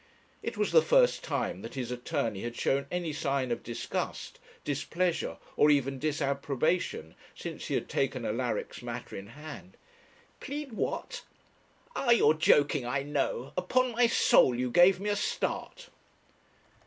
It was the first time that his attorney had shown any sign of disgust, displeasure, or even disapprobation since he had taken Alaric's matter in hand. 'Plead what! Ah, you're joking, I know; upon my soul you gave me a start.'